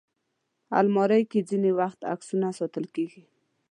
الماري کې ځینې وخت عکسونه ساتل کېږي